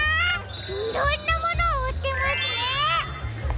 いろんなものをうってますね！